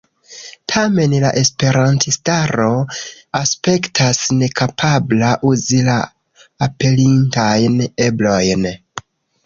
Tamen, la Esperantistaro aspektas nekapabla uzi la aperintajn eblojn.